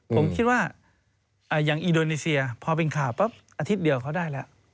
ผมคิดว่าอย่างอินโดนีเซียพอเป็นข่าวปั๊บอาทิตย์เดียวเขาได้แล้ว